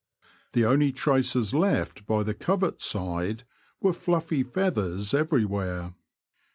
The only traces left by the covert side were fluffy feathers everywhere.